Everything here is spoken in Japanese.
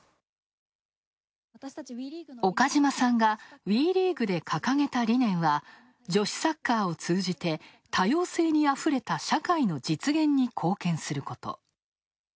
岡島さんがＷＥリーグで掲げた理念は「女子サッカーを通じて多様性にあふれた社会の実現に貢献すること」。